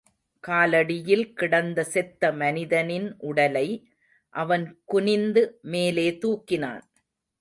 காலடியில் கிடந்த செத்த மனிதனின் உடலை அவன் குனிந்து மேலே தூக்கினான்.